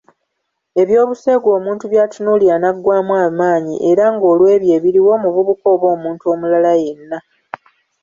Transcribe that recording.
Eby'obuseegu omuntu by'atunuulira naggwaamu amaanyi era ng'olwebyo ebiriwo omuvubuka oba omuntu omulala yenna